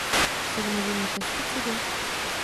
Jsou na vině pesticidy?